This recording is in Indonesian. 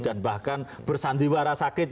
dan bahkan bersandiwara sakit